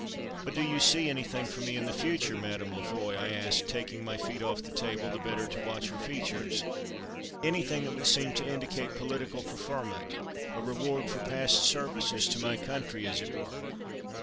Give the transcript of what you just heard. "But do you see anything for me in the future, Mme. La Foy?" I asked, taking my feet off the table, the better to watch her features, "anything that would seem to indicate political preferment, a reward for past services to my country, as it were?"